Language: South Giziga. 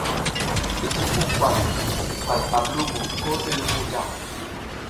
I sipuw bal bal ar lumo ko i lumuw ta.